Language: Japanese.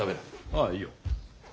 ああいいよ。